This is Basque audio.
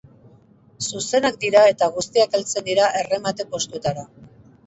Zuzenak dira eta guztiak heltzen dira erremate postuetara.